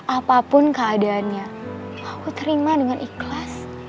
apapun keadaannya aku terima dengan ikhlas